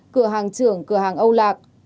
cửa hàng trưởng cửa hàng âu lạc